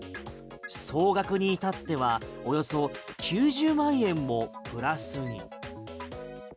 総額にいたってはおよそ９０万円もプラスに。